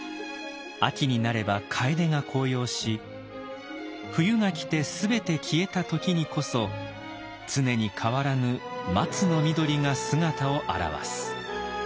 秋になれば楓が紅葉し冬が来て全て消えた時にこそ常に変わらぬ松の緑が姿を現す。